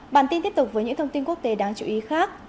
bản tin tiếp tục với những thông tin quốc tế đáng chú ý khác